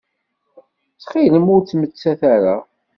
Ttxil-m ur ttmettat ara.